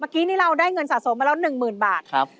เมื่อกี้นี่เราได้เงินสะสมมาแล้ว๑หมื่นบาทครับครับ